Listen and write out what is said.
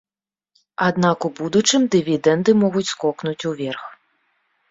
Аднак у будучым дывідэнды могуць скокнуць уверх.